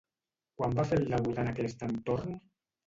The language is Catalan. Quan va fer el debut en aquest entorn?